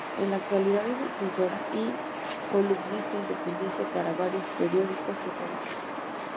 En la actualidad, es escritora y columnista independiente para varios periódicos y revistas.